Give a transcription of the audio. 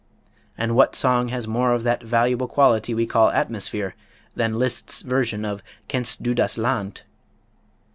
And what song has more of that valuable quality we call "atmosphere" than Liszt's version of "Kennst du das Land?"